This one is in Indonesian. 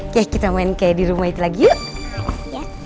oke kita main kayak di rumah itu lagi yuk